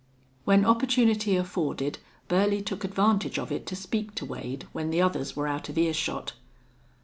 When opportunity afforded Burley took advantage of it to speak to Wade when the others were out of earshot.